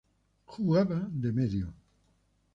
Jugaba de medio.